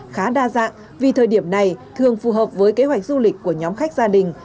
khá đa dạng vì thời điểm này thường phù hợp với kế hoạch du lịch của nhóm khách gia đình